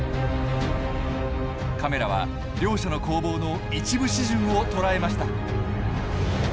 カメラは両者の攻防の一部始終を捉えました！